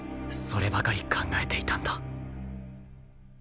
そればかり考えていたんだ